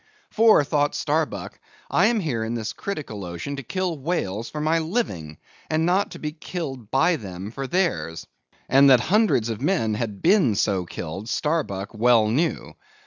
For, thought Starbuck, I am here in this critical ocean to kill whales for my living, and not to be killed by them for theirs; and that hundreds of men had been so killed Starbuck well knew.